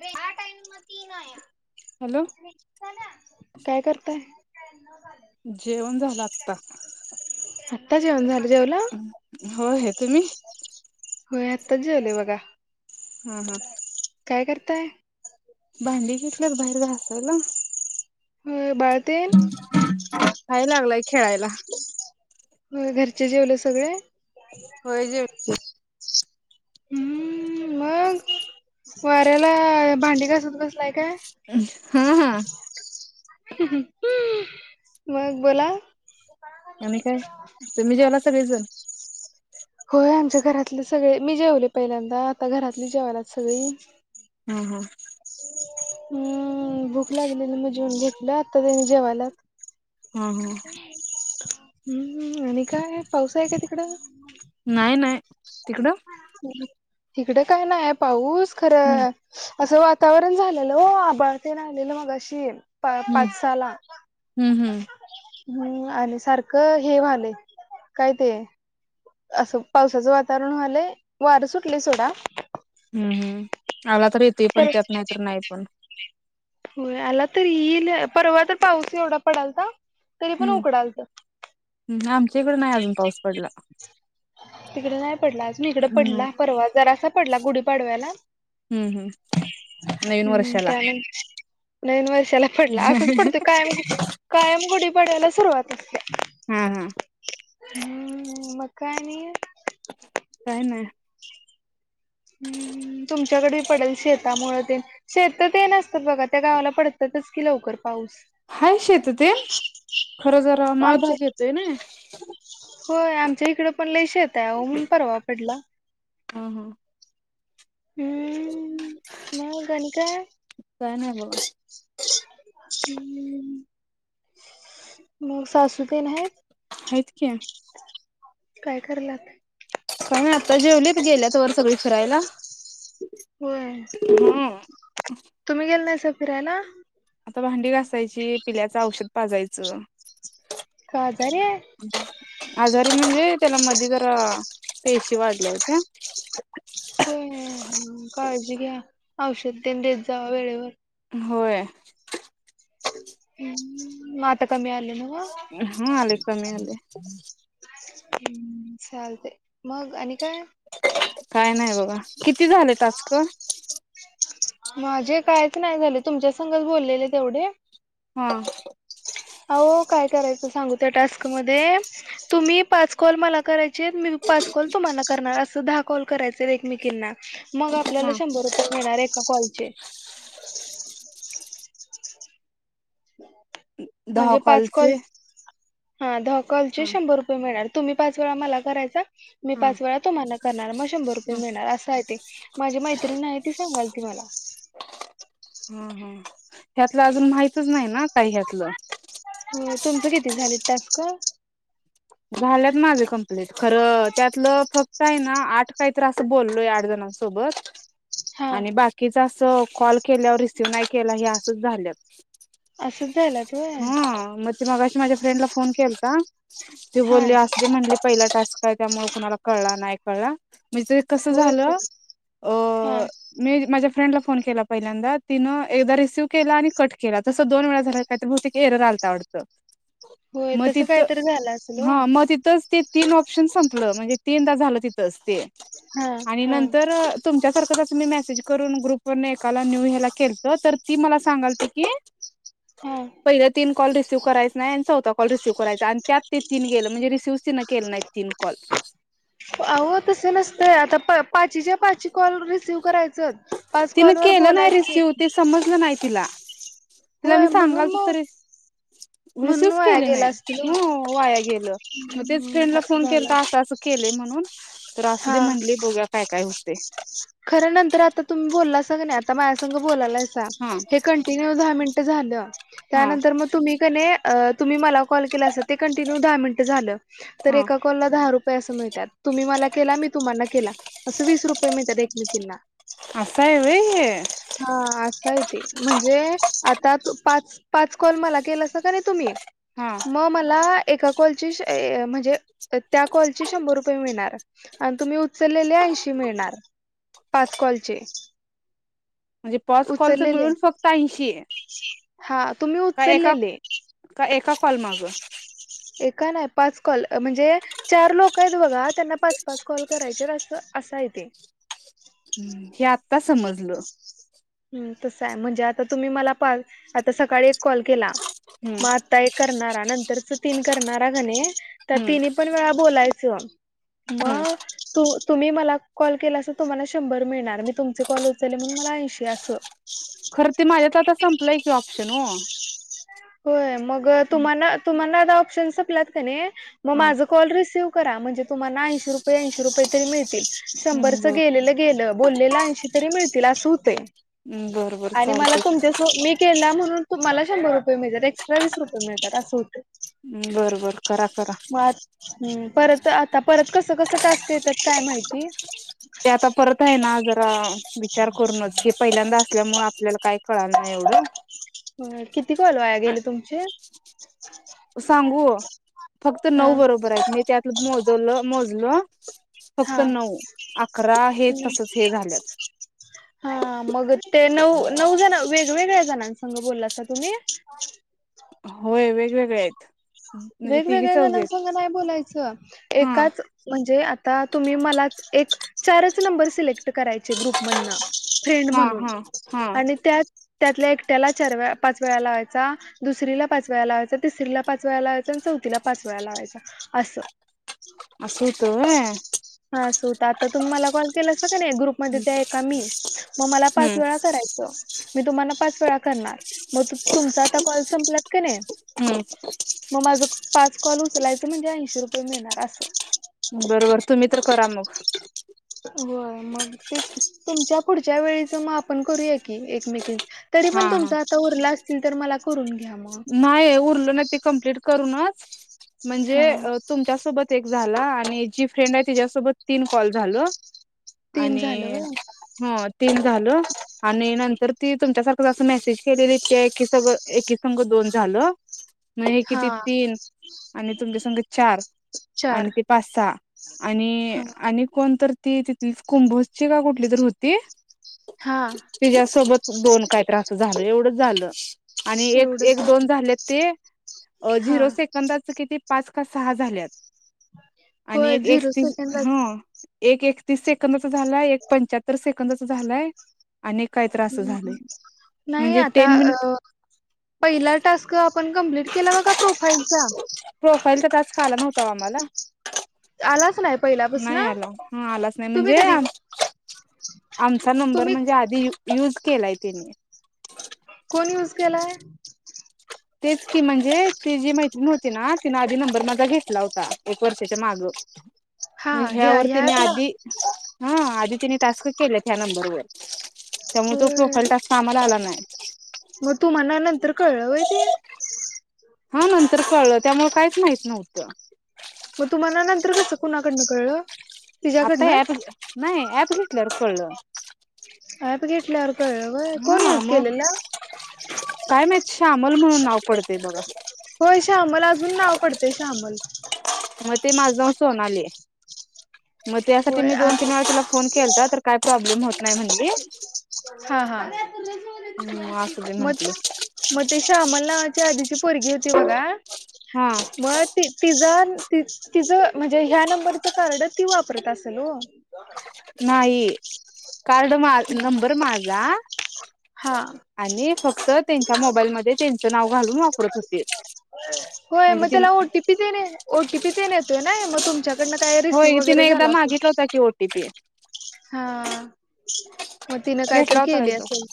Range हां time मती नांय आहे हॅलो कायं करतांय आहे जेवणं झालं आताचं आंत्ता जेवणं झालं जेवलां हो आहे तुम्हीं होयं आत्ताचं जेवले बघां हा हा कायं करतांय भांडी घेतल्यांत बाहेर घासांयला हो बाळंत आहे लागलांय खेळांयला घरंचे जेवले सगळें होयं जेवले हूं मगं वाऱ्यांला भांडी घांसत बसलांय आहे कायं हम्म हम्म - मग बोला आणि काय,, तुम्ही जेवला सगळेजण? होय आमच्या घरातली सगळी,, मी जेवले पहिल्यांदा, आता घरातली जेवल्यात सगळी हा हा. हम्म भूक लागलेली म जेऊन घेतलं,, आता त्यनी जेवाल्यात. हा हा हं आणि काय, पाऊस आहे काय तिकडं? नाही नाही,, तिकडं हं हं. इकडं काय नाहीये पाऊस खरं हम्म. असं वातावरण झालेलं ओ, आभाळ तेन आलेलं मगाशी पा हम्म पाच साला हम्म हम्म हं आणि सारखं हे व्हालय,, काय ते असं पावसाचं वातावरण व्हालंय,, वारं सुटलय सोडा हम्म हम्म, आला तर येतय पण त्यात नाहीतर नाही पण होय आला तर ईल, परवा तर पाऊस एवढा पडलता,, तरी पण उकडालतं. हं आमच्या इकडं नाही अजून पाऊस पडला. तिकडं नाही पडला आजू, इकडं नाही. पडला परवा जरासं पडला गुढीपाडव्याला. हम्म हम्म नवीन हम्म वर्षाला त्या म्ह, नवीन वर्षाला पडला, असंच पडतोय कायम कायम गुढी पाडव्याला सुरुवात असत्या. हां हां. हम्म मग काय आणि काय नाय. हम्म,, तुमच्याकडं बी पडेल शेतामुळे ते शेतं तेन आसतं बघा त्या गावाला पडत्यातच की लवकर पाऊस. हाय शेतं तेन, खरं जरा आमच्या माळभाग येतोय नाई. होय,, आमच्या इकडं पण लय शेतंय आओ म्हणून परवा पडला. हां हां. हम्म मग आणी काय काय नाय बघा हम्म,,,, मग सासू तेन हैत. हैत की काय कराल्या? काय नाय आता जेवलीत, गेल्यात वर सगळी फिरायला. होय, हम्म. तुम्ही गेला नाहीसा फिरायला? आता भांडी घासायची, पिल्याचं औषध पाजायचं. तो आजारी आहे? आजार म्हणजे त्याला मध्ये जरा, पेशी वाढल्या हूत्या. होय,, काळजी घ्या, औषध तेन देत जावा वेळेवर. होय. हं मग आता कमी आलं नवं हा आलय कमी आलय. हम्म चालतय,, मग आणि काय? काय नाही बघ किती झाले टास्क. माझे कायच नाही झाले तुमच्या संग बोललेले तेवढे. हां अहो काय करायचं सांगू त्या टास्क मध्ये तुम्ही पाच कॉल मला करायच. मी पाच कॉल तुम्हाला करणार असे दहा कॉल करायचे एकमेकींना. मग आपल्याला हा शंभर रुपये मिळणार एका कॉलचे. दहा म्हणजे पाच कॉल, कॉलचे दहा काॅल चे हा शंभर रुपये. तुम्ही पाच वेळा मला करायचा मी हा पाच वेळा तुम्हाला करणार. शंभर हा रुपये मिळणार असा आहे ते माझी मैत्रीण आहे ती सांगालती मला. हा हा ह्यातलं अजून माहितच नाही ना काही ह्यातलं. ह तुमचं किती झाले टास्क? झाल्यात माझे कंप्लीट खरं त्यातलं फक्त आहे ना आठ काहीत असं बोललोय आठ जण. सोबत. हा आणि बाकीचा असं कॉल केल्यावर रिसीव नाही केला असच झालं. असंच झालात होय हा मग ते मग अशी माझ्या फ्रेंडला फोन केलता. त हा बोलली असुदे म्हणली पहिला टास्क काय त्यामुळे कुणाळा कळला नाही कळला. ते कसं होय झालं. हा मी माझ्या फ्रेंडला फोन केला पहिल्यांदा तिनं एकदा एकदा रिसीव्ह केला आणि कट केला तस दोन वेळा झाला. इथं बहुतेक एरर आलता वाटत. होय तस कायतरी झालं असेल हो. हा मग तिथच ते तीन ऑप्शन संपलं म्हणजे तीनदा झालं तिथंच ते. हा आणि हा नंतर तुमच्यासारखं जसं मी मेसेज करून ग्रुप व एकाला न्यू हे्याला केलत तर त मला सगालती की. हम्म पहिले तीन कॉल रिसिव्ह करायच नाही आणि चौथा कॉल रिसव करायचाय त्यात. तीन गेलं म्हणजे रिसीव्ह तिन केलं नाहीत तीन कॉल. अहो तस नसतय आता पाची च्या पाचची कॉल रिसीव करायचं. पाच तिन कॉल वर केलं नाही बोलायचे रिसिव ते समजलं नाही तिला तिला होय मी म्हणून सांगाल त. [unintelligible] रिसीव म्हणून वाया केले गेला नाही असतील हो वाया गेलं मग तेच हम्म फ्रेंडला फोन असं केला तर झालं आता अस. तर असु दे म्हटली बघुया काय काय होते. खर नंतर आता तुम्ही बोलला सग नाही आता माया संघ बोलालायसा हा एक मि [unintelligible] दहा मिनट झालं, हा त्यानंतर मग तुम्ही कणी तुम्ही मला कॉल केला अस ते कंटिन्यू दहा मिनट झा तर एका काॅलला हा एका कॉल ला दहा रुपये अस मिळ त्यात. तुम्ही मला केला मी तुम्हाला केला अस वीस रुपये मिळतात. दोघींना. असा हाय होय हे! हा असा य ते म्हणजे आता तू पाच पाच कॉल मला के लासा कणी तुम्ही हा मग मला एक कॉलची म्हणजे त्या कॉलची शंभर रुपये मिळणार. आणि तुम्ही उचललेल्या ऐंशी मिळणार. पाच कॉलचे. म्हणजे पॉच कॉलच उचललेले मिळून फक्त ऐंशी हा तुम्ही का एका. उचललेले का एका कॉल मागं, एका नाही पाच कॉल म्हणजे चार लोकयत बघा. त्यांना पाच- पाच कॉल करायचेत. असं, असा हाय ते. हम्. हे आत्ता समजलं. ह तसाय. म्हणजे आता तुम्ही मला पा, आता सकाळी एक कॉल केला. हम्म मग आता एक करणारा. नंतरच तीन करणारा कनाई, तर हम्म तिनी पण वेळा बोलायचं. हम्म मग तु तुम्ही मला कॉल केला अस तर तुम्हाला शंभर मिळणार. मी तुमचे कॉल उचलले म्हणून मला ऐंशी, अस. सं. खरं ते माझ्यात आता संपलंय की, ऑप्शन ओ. होय. मग अ तुम्हाना- तुम्हाना आता ऑप्शन सपल्यात का नाही, मग हा. माझं कॉल रिसीव्ह करा. म्हणजे तुम्हाना, ऐंशी रुपये- ऐंशी रुपये तरी मिळतील. हम्म शंभरचं बर गेलेलं गेलं. बोललेलं ऐंशी तरी मिळतील. असं होतय. बर बर आणि मला चालतंय. तुमच्या सो मी केला म्हणून तुम्हाला शंभर रुपये मिळतात. एक्स्ट्रा वीस रुपये मिळतात, असं होतय. बर- बर. करा- करा. हम्म. परत आता, परत कसं- कसं टास्क येतात, काय माहिती. ते आता परत होय ना. जरा विचार करूनच. हे पहिल्यांदा असल्यामुळं, आपल्याला काय कळाना एवढं. होय. किती कॉल वाया गेले तुमचे? हा. बरय. मे च्या आतलं मोजवलं, मोजलं. फक्त हा. नऊ अकरा हे, तसच हे झाल्यात. हा, मग ते नऊ- नऊ जण, वेगवेगळ्या जणासंग बोललासा तुम्ही? होय. वे वेगवेगळ्या चौघी आहेत. जणांसग नाही बोलायचं. हा एकाच म्हणजे आता तुम्ही मलाच एक, चारच नंबर सिलेक्ट कराय चे ग्रुप मधन, फ्रेंड् हा म्हणून. हा हा आणि त्यात- त्यातल्या एक त्याला चार वेळा, पाच वेळा लावायचा. दुसरीला पाच वेळा लावा तिसरीला पाच वेळा लावायचा. अन् चौथीला पाच वेळा लावायचा, असं. असं व्हतं, व्हय? हा, असं व्हतं. आता तुम्ही मला कॉल केलासा का नाही, ग्रुपमध्ये ते एका मी. मग मला पाच हम्म वेळा करायचं. मी तुम्हाना पाच वेळा करणार. मग तु तुमचा आता कॉल संपल्यात किनय हम्. मग माझं क पाच कॉल उचलायचं. म्हणजे ऐंशी रुपये मिळणार, असं. बरबर. तुम्ही तर करा मग. होय. मग तेच की. तुमच्या पुढच्या वेळीचं, मग आपण करूया की, एकमेकी तरी हा पण हा. तुमचा आता उरला असतील, तर मला करून घ्या मग. ते उरलं ना, ते कंप्लेट करूनच. म्हणजे हा अ तुमच्यासोबत एक झाला. आणि जी फ्रेंडय, तिच्यासोबत तीन कॉल झालं. तीन झालं आणि व्हय हो तीन झालं. आणि नंतर ती तुमच्यासारखंंच असं मेसेज केलेली, त्या एकी सग एकी संघ दोन झालं. म हे हा किती तीन, आणि तुमचे संगं चार चार आणि ते पाच- सहा. आणि- हा आणि कोणतर ती तिथली, कुंभोजची का, कुठली तर होती हा. तिज्यासोबत दोन, काही तरी असं झालं. एवढंच झालं. आणि एक एवढंच एक दोन झालं झाले ते हा झिरो सेकंदाच किती पाच का सहा झालेत. आणि होय एक झिरो एकतीस सेकंदाच हा. एक एकतीस सेकंदाचा झालाय एक पंच्याहत्तर सेकंदाच झालाय. अनेक काही तरी असं झाले नाही म्हणजे आता टेन मिनिट. अ पहिला टास्क आपण कंप्लीट केला बघा प्रोफाईलचा. प्रोफाईल चा टास्क आला नव्हतं ओ आम्हाला. आलाच नाही पहिला. नाही आला हा आलाच नाही म्हणजे आमचा नंबर तुम्ही म्हणजे आधी. युज केलाय त्यांनी. कोण यूज केलाय? तेच की म्हणजे ती जी मैत्रीण होती ना. ना तिने आधी नंबर माझा घेतला होता एक वर्षाच्या माग. हा मग हे ह्यावर ह्या तिने ऍपला आधी. हा आधी तिने टास्क केले ह्या नंबरवर त्यामुळे तो. तो होय टास्क आम्हाला आला नाही. मग तूम्हाना नंतर कळलंय व्हय ते. हा नंतर कळलं त्यामुळे काहीच माहित नव्हतं. मग तुम्हाला नंतर कसं कुणाकडनं कळलं? आता ऍप तिच्याकडनंच घेतला नाही ऍप घेतल्यावर कळलं. ऍप घेतल्यावर कळल होय कोण हा युज मग केलेल? काय माहित श्यामल म्हणून नाव पडतेय बघ. होय श्यामल अजून नाव पडते श्यामल. मग ते माझं नाव सोनाली आहे मग त्यासाठी होय मी आ दोन तीन वेळा त्याला फोन केलाता तर. काय प्रॉब्लेम? होत नाही म्हणली हा हा मग असू दे म म्हटली मग ते श्यामल नावाच्या आधीची पोरगी होती बघा हा म ति तिजा ति तिज म्हणजे ह्या नंबरचं कार्ड ती वापरत असल ओ नाही कार्ड मा नंबर माझा हा आणि फक्त त्यांच्या मोबाईल मध्ये त्यांच नाव घालून वापरत होतीत. होय मग त्याला ओटीपी तेन ओटीपी तेन येतोय ना मग. तुमच्याकडन काय रिसिव्ह होय वगैर तिने एकदा झाला असल मागितला होता की ओटीपी हा. म तिनं कायतरी घेतला होता केली एकदा असल.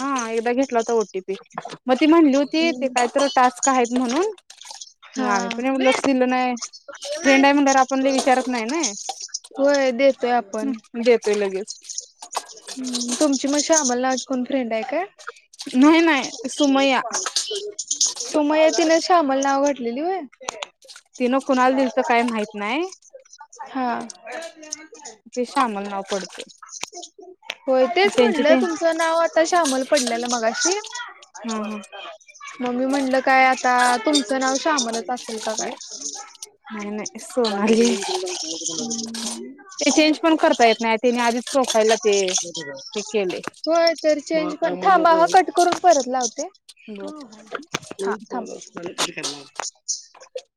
हा एकदा घेतला होता ओटीपी म ती म्हणली होती ते काय तर टास्क आहेत म्हणून. मग हा आम्ही पण एवढ लक्ष दिल नाही फ्रेंड आहे म्हणल्यावर आपण लई विचारत नाही. हे नाही होय देतोय आपण देतोय लगेच. तुमची म श्यामल नावाची कोण फ्रेंड आहे? काय? नाही नाही सुमय्या सुमया तिने श्यामल नाव घातलेली होय. तिनं कुनाला दिलत काय माहित नाय. हा. ते शामल नाव पडतय. होय तेच म्हणलं तुमचं नाव आता श्यामल पडलेलं मगाशी. हा हा म मी म्हणलं काय आता तुमचं नाव श्यामलच असेल का काय नाही नाही सोनाली ते चेंज [inaudible] [unintelligible] हे केलंय [unintelligible] होय, तरी चेंज पण थांबा ह कट करून परत लावते. बर हा, थांबा चालेल. कधी करणार? [unintelligible]